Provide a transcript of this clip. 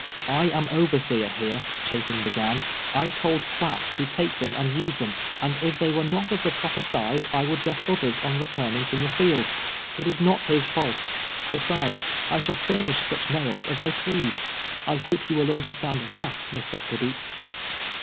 " I am overseer here," Chapin began, " I told riatt to take them and use them, and if they were not of the proper size I would get others on returning from the field. It is not his fault. Besides, I shall furnish such nails as I please. I hope you will understand that, Mr. Tibeats."